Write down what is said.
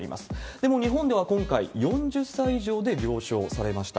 でも日本では今回、４０歳以上で了承されました。